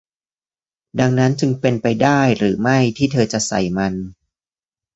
ดังนั้นจึงเป็นไปได้หรือไม่ที่เธอจะใส่มัน ?